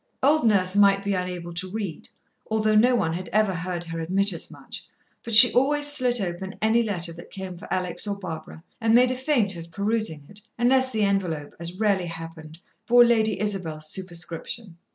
Old Nurse might be unable to read, although no one had ever heard her admit as much, but she always slit open any letter that came for Alex or Barbara and made a feint of perusing it; unless the envelope, as rarely happened, bore Lady Isabel's superscription.